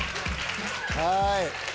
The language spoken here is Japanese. はい。